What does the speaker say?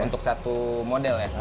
untuk satu model ya